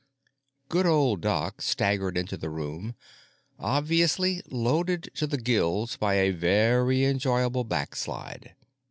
Good old doc staggered into the room, obviously loaded to the gills by a very enjoyable backslide.